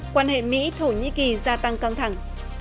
quan hệ mỹ thổ nhĩ kỳ gia tăng căng thẳng